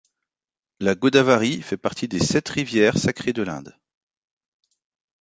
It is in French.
La Godavari fait partie des sept rivières sacrées de l'Inde.